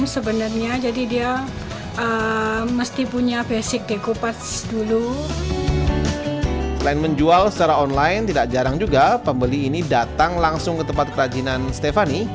selain menjual secara online tidak jarang juga pembeli ini datang langsung ke tempat kerajinan stephani